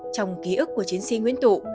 trong ký ức của chiến sĩ nguyễn tụ